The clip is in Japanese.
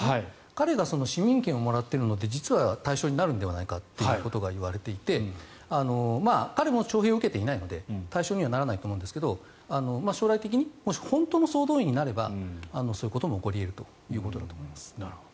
彼が市民権をもらっているので実は対象になるのではないかといわれていて彼も徴兵を受けていないので対象にはならないと思うんですが将来的にもし本当に総動員になればそういうことも起こり得るということだと思います。